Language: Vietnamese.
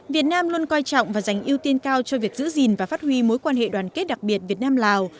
việt nam luôn coi trọng và dành ưu tiên cao cho việc giữ gìn và phát huy mối quan hệ đoàn kết đặc biệt việt nam lào